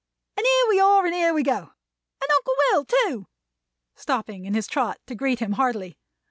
And here we are and here we go! And Uncle Will, too!" Stopping in his trot to greet him heartily.